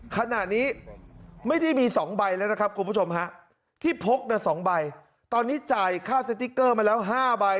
ขณะนี้ไม่ได้มี๒ใบแล้วนะครับคุณผู้ชมฮะที่พก๒ใบตอนนี้จ่ายค่าสติ๊กเกอร์มาแล้ว๕ใบ